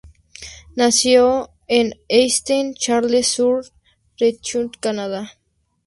Nació en Saint-Charles-sur-Richelieu, Canadá.